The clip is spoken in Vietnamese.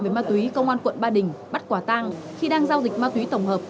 về ma túy công an quận ba đình bắt quả tăng khi đang giao dịch ma túy tổng hợp